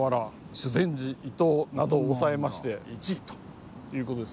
修善寺伊東などを抑えまして１位という事です。